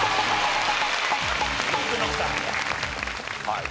はい。